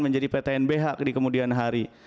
menjadi ptnbh di kemudian hari